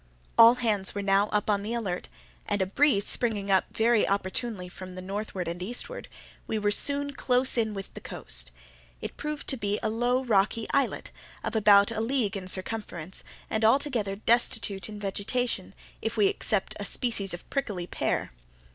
All hands were now upon the alert, and, a breeze springing up very opportunely from the northward and eastward, we were soon close in with the coast. It proved to be a low rocky islet, of about a league in circumference, and altogether destitute of vegetation, if we except a species of prickly pear.